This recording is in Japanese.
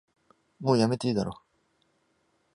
もうやめていいだろ